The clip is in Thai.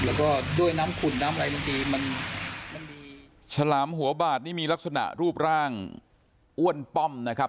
แล้วก็ด้วยน้ำขุ่นน้ำอะไรดนตรีมันฉลามหัวบาดนี่มีลักษณะรูปร่างอ้วนป้อมนะครับ